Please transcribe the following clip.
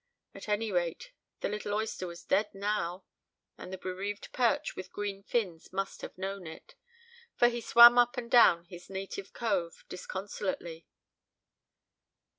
At any rate, the little oyster was dead now; and the bereaved perch with green fins must have known it, for he swam up and down his native cove disconsolately.